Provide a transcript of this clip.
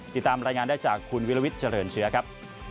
ติดตามรายงานได้จากคุณวิลวิทย์เจริญเชื้อครับ